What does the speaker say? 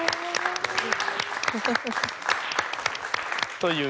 という。